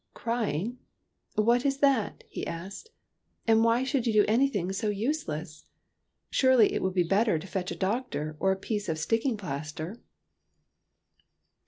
" Crying ? What is that ?" he asked. " And why should you do anything so useless? Surely, it would be better to fetch a doctor or a piece of sticking plaster."